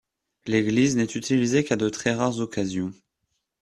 L’église n'est utilisée qu'à de très rares occasions.